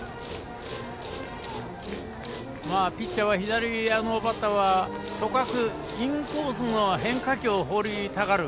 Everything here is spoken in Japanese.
ピッチャーは左バッターはインコースの変化球を放りたがる。